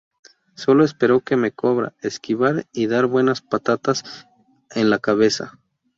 Sólo espero que me cobra, esquivar y dar buenas patatas en la cabeza.